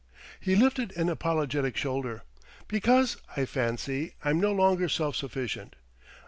He lifted an apologetic shoulder. "Because, I fancy, I'm no longer self sufficient.